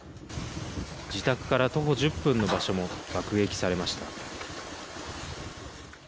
自宅から徒歩１０分の場所も爆撃されました。